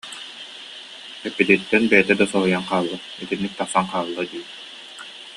Эппититтэн бэйэтэ да соһуйан хаалла, итинник тахсан хаалла дии